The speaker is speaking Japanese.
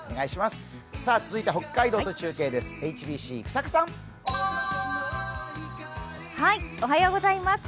続いては北海道と中継です。